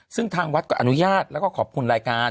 ซึ่งทางวัดก็อนุญาตแล้วก็ขอบคุณรายการ